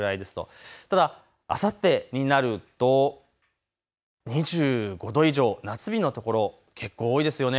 ただあさってになりますと２５度以上夏日の所、結構多いですよね。